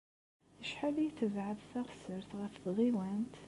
Acḥal ay tebɛed teɣsert ɣef tɣiwant?